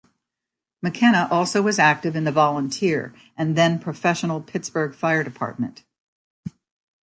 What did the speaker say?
McKenna also was active in the volunteer and then professional Pittsburgh fire department.